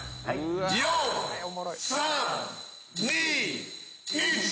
４・３・２・１。